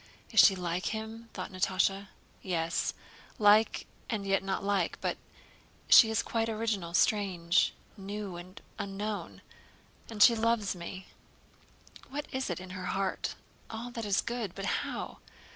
"Is she like him?" thought Natásha. "Yes, like and yet not like. But she is quite original, strange, new, and unknown. And she loves me. What is in her heart? All that is good. But how?